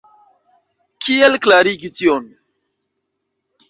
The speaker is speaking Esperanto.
Kiel klarigi tion?